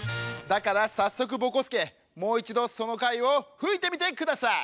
だからさっそくぼこすけもういちどその貝をふいてみてください！